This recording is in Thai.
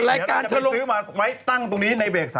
ณจะไปซื้อมาไว้ตั้งตรงนี้ในเบรก๓